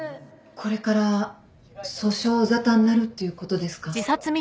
これから訴訟沙汰になるっていうことですか？